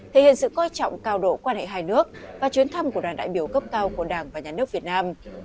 thể hiện sự coi trọng cao độ quan hệ hai nước và chuyến thăm của đoàn đại biểu cấp cao của đảng và nhà nước việt nam